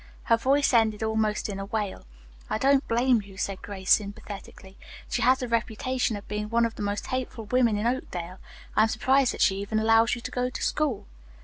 Her voice ended almost in a wail. "I don't blame you," said Grace sympathetically. "She has the reputation of being one of the most hateful women in Oakdale. I am surprised that she even allows you to go to school."